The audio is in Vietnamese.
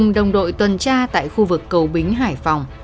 đồng đội tuần tra tại khu vực cầu bính hải phòng